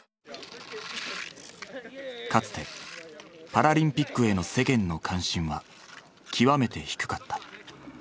かつてパラリンピックへの世間の関心は極めて低かった。